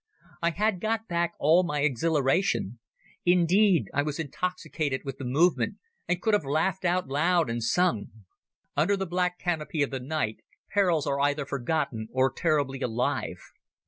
I had got back all my exhilaration. Indeed I was intoxicated with the movement, and could have laughed out loud and sung. Under the black canopy of the night perils are either forgotten or terribly alive.